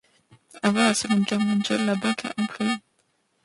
Avant la Seconde Guerre mondiale, la banque a employés.